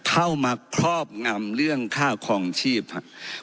เข้ามาครอบงำเรื่องค่าคลองชีพครับ